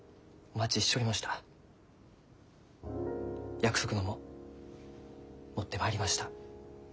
約束のもん持ってまいりました。